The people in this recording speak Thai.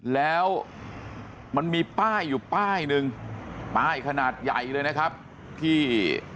แล้วมันมีป้ายอยู่ป้ายหนึ่งป้ายขนาดใหญ่เลยนะครับที่